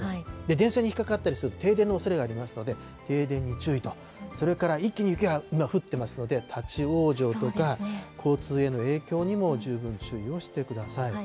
電線に引っかかったりすると停電のおそれがありますので、停電に注意と、それから一気に雪が今降ってますので、立往生とか、交通への影響にも十分注意をしてください。